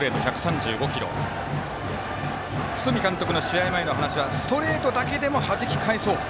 堤監督の試合前の話はストレートだけでもはじき返そうと。